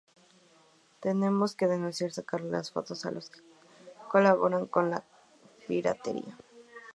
tenemos que denunciar, sacarles fotos a los que colaboran con la piratería